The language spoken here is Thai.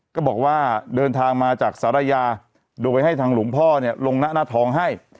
ก็บอกว่าเดินทางมาจากศาลยาโดยให้ทางหลวงพ่อเนี่ยลงหน้าทองให้